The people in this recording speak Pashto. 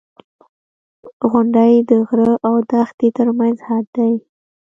• غونډۍ د غره او دښتې ترمنځ حد دی.